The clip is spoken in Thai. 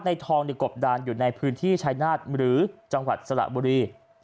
ทองในกบดานอยู่ในพื้นที่ชายนาฏหรือจังหวัดสระบุรี